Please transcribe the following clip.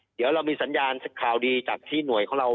เดี๋ยวเรามีสัญญาณข่าวดีจากที่หน่วยของเรา